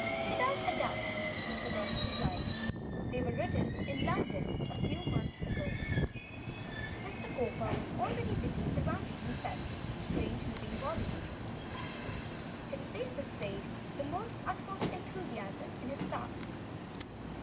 "Without a doubt," Burton replied. "They were written in London, a few months ago." Mr. Cowper was already busy surrounding himself with strange looking volumes. His face displayed the utmost enthusiasm in his task.